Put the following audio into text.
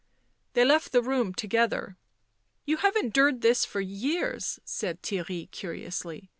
They left the room together. " You have endured this for years," said Theirry curiously.